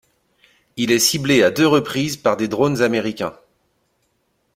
Il est ciblé à deux reprises par des drones américains.